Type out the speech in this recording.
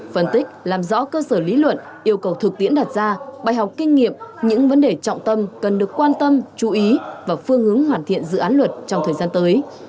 phân tích làm rõ cơ sở lý luận yêu cầu thực tiễn đặt ra bài học kinh nghiệm những vấn đề trọng tâm cần được quan tâm chú ý và phương hướng hoàn thiện dự án luật trong thời gian tới